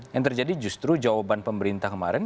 yang terjadi justru jawaban pemerintah kemarin